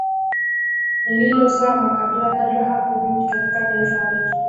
lililozaa makabila tajwa hapo juu katika taifa letu